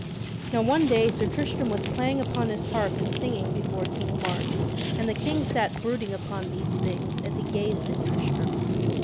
Now one day Sir Tristram was playing upon his harp and singing before King Mark, and the King sat brooding upon these things as he gazed at Tristram.